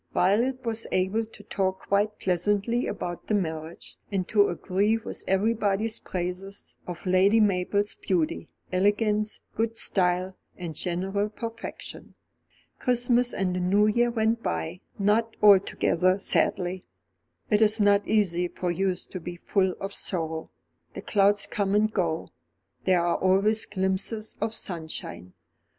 Violet was able to talk quite pleasantly about the marriage, and to agree with everybody's praises of Lady Mabel's beauty, elegance, good style, and general perfection. Christmas and the New Year went by, not altogether sadly. It is not easy for youth to be full of sorrow. The clouds come and go, there are always glimpses of sunshine.